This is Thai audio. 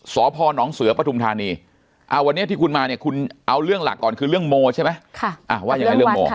สพนเสือปทุมธานีวันนี้ที่คุณมาเนี่ยคุณเอาเรื่องหลักก่อนคือเรื่องโมใช่ไหม